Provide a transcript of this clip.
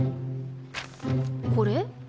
これ？